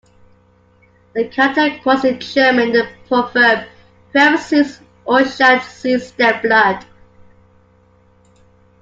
A character quotes in German the proverb 'Whoever sees Ushant sees their blood.